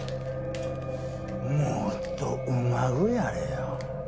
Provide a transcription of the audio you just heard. もっとうまくやれよ。